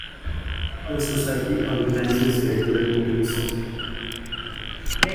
The Society organises regular meetings.